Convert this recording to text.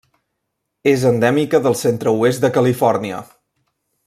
És endèmica del centre-oest de Califòrnia.